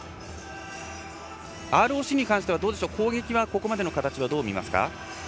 ＲＯＣに関しては攻撃はここまでの形はどう見ますか？